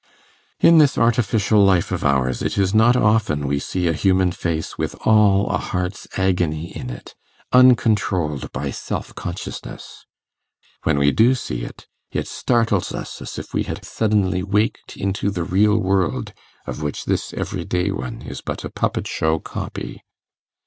In this artificial life of ours, it is not often we see a human face with all a heart's agony in it, uncontrolled by self consciousness; when we do see it, it startles us as if we had suddenly waked into the real world of which this everyday one is but a puppet show copy.